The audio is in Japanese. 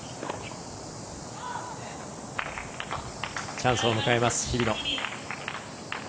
チャンスを迎えます、日比野。